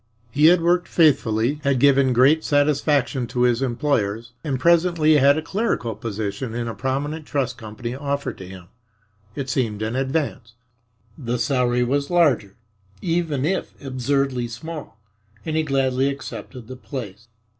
He had worked faithfully, had given great satisfaction to his employers, and presently had a clerical position in a prominent trust company offered to him. It seemed an advance. The salary was larger, even if absurdly small, and he gladly accepted the place.